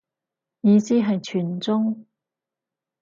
意思係全中